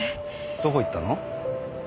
どこ行ったの？